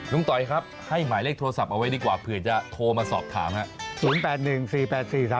ต่อยครับให้หมายเลขโทรศัพท์เอาไว้ดีกว่าเผื่อจะโทรมาสอบถามครับ